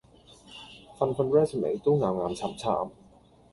份份 resume 都岩岩巉巉